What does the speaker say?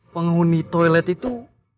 penghuni toilet itu